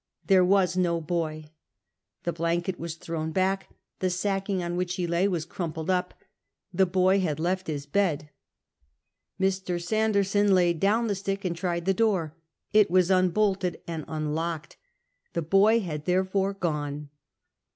There was no boy. The blanket was thrown back, the sacking on which he lay was crumpled up : the boy had left his bed. Mr. Sanderson laid down the stick and tried the door ; it was unbolted and unlocked : the boy had therefore gone.